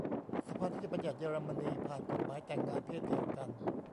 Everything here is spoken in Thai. สภานิติบัญญัติเยอรมนี ผ่านกฎหมายแต่งงานเพศเดียวกัน